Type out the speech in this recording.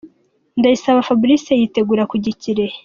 Ndayisaba Fabrice yitegura kujya i Kirehe .